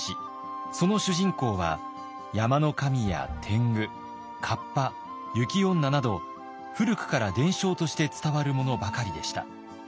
その主人公は山の神や天狗河童雪女など古くから伝承として伝わるものばかりでした。